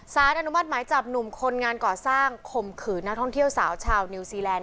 สารอนุมัติหมายจับหนุ่มคนงานก่อสร้างข่มขืนนักท่องเที่ยวสาวชาวนิวซีแลนด